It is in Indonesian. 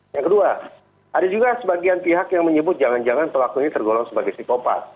yang kedua ada juga sebagian pihak yang menyebut jangan jangan pelaku ini tergolong sebagai psikopat